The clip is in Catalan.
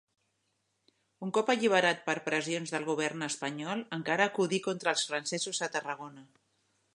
Un cop alliberat per pressions del govern espanyol encara acudí contra els francesos a Tarragona.